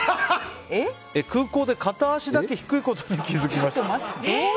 空港で片足だけ低いことに気が付きました。